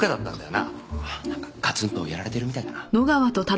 なんかガツンとやられてるみたいだな。